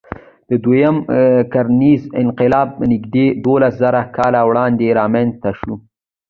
دوهیم کرنیز انقلاب نږدې دولسزره کاله وړاندې رامنځ ته شو.